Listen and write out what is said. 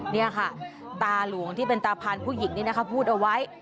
นี่ค่ะตาหลวงที่เป็นตาพานผู้หญิงนี่นะคะพูดเอาไว้